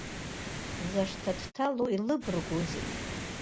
Зашҭа дҭало илыбаргузеи!